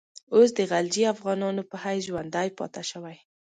اوس د غلجي افغانانو په حیث ژوندی پاته شوی.